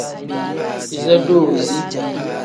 Iza doozi.